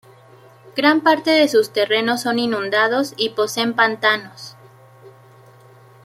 Gran parte de sus terrenos son inundados y poseen pantanos.